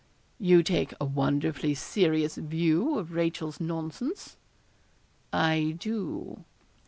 'You take a wonderfully serious view of Rachel's nonsense.' 'I do.'